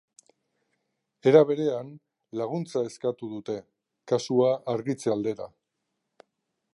Era berean, laguntza eskatu dute, kasua argitze aldera.